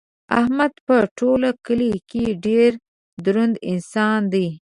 احمد په ټول کلي کې ډېر دروند انسان دی.